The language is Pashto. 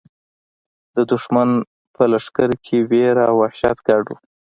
د دښمن په لښکر کې وېره او وحشت ګډ شو.